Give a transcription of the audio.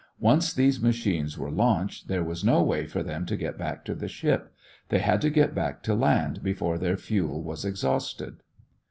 Once these machines were launched, there was no way for them to get back to the ship. They had to get back to land before their fuel was exhausted.